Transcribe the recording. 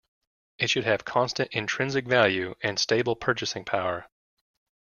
It should have constant intrinsic value and stable purchasing power.